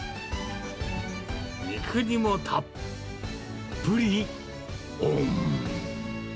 肉にもたっぷりオン。